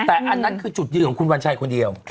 แต่อันนั้นคือจุดยืนของคุณวัญชัยคนเดียว